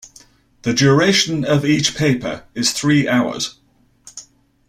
The duration of each paper is three hours.